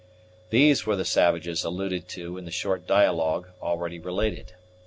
These were the savages alluded to in the short dialogue already related.